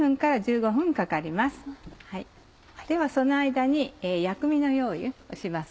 ではその間に薬味の用意をします。